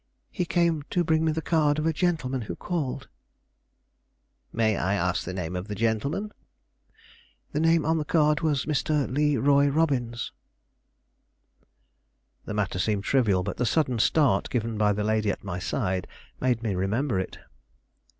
"He came to bring me the card of a gentleman who called." "May I ask the name of the gentleman?" "The name on the card was Mr. Le Roy Robbins." The matter seemed trivial; but the sudden start given by the lady at my side made me remember it.